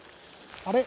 あれ？